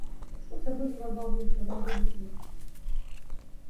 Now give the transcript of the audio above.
Што се врзува за овие тврдоглави слики?